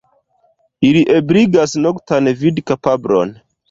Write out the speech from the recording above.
Ili ebligas noktan vidkapablon.